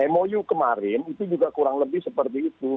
mou kemarin itu juga kurang lebih seperti itu